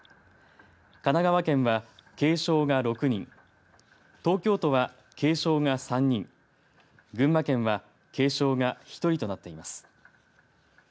神奈川県は軽傷は６人東京都は、軽傷が３人群馬県は軽傷が１人となっています。